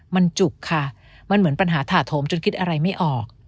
มันจุกค่ะมันเหมือนปัญหาถาโถมจนคิดอะไรไม่ออก